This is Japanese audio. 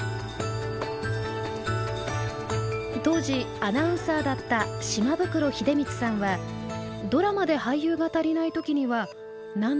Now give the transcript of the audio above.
当時アナウンサーだった島袋秀光さんはドラマで俳優が足りない時には何度となく駆り出されたそうです。